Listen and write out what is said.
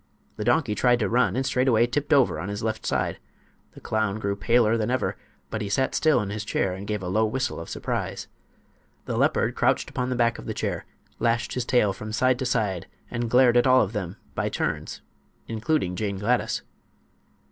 The donkey tried to run and straightway tipped over on his left side. The clown grew paler than ever, but he sat still in his chair and gave a low whistle of surprise. The leopard crouched upon the back of the chair, lashed his tail from side to side and glared at all of them, by turns, including Jane Gladys.